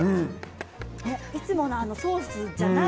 いつものソースじゃない。